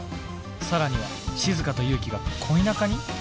更にはしずかと祐樹が恋仲に？